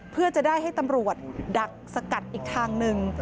เพื่อจะได้ให้ตำรวจดักสกัดอีกทางหนึ่ง